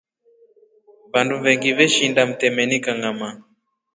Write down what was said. Vandu vengi veshinda mtemeni kangʼama.